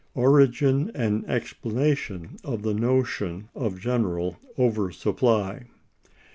Origin and Explanation of the notion of general Over Supply.